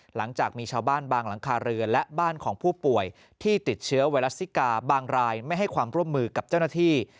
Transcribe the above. หลังจากมีชาวบ้านบางหลังคาเรือและบ้านของผู้ป่วยที่ติดเชื้อไวรัสซิกาบางรายไม่ให้ความร่วมมือกับเจ้าหน้าที่